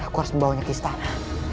aku harus membawanya ke istana